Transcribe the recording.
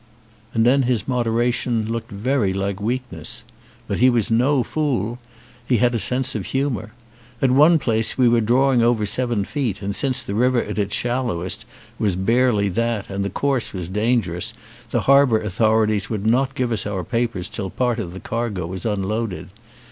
And then his moderation looked very like weak ness. But he was no fool. He had a sense of humour. At one place we were drawing over seven feet and since the river at its shallowest was barely that and the course was dangerous the harbour authorities would not give us our papers till part of the cargo was unloaded.